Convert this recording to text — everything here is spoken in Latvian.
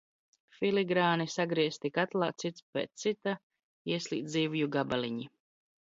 Filigr?ni sagriezti, katl? cits p?c cita iesl?d zivju gabali?i.